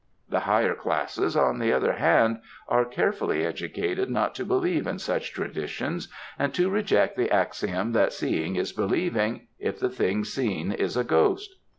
The higher classes, on the other hand, are carefully educated not to believe in such traditions and to reject the axiom that seeing is believing, if the thing seen is a ghost.